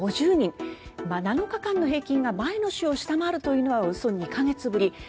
７日間の平均が前の週を下回るというのはおよそ２か月ぶり。